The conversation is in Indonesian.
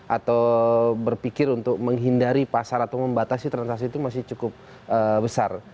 atau berpikir untuk menghindari pasar atau membatasi transaksi itu masih cukup besar